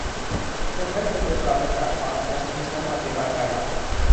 จะใช้เงินโดยปราศจากความยั้งคิดแล้วมาเสียดายภายหลัง